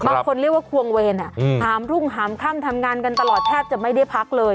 บางคนเรียกว่าควงเวรหามรุ่งหามค่ำทำงานกันตลอดแทบจะไม่ได้พักเลย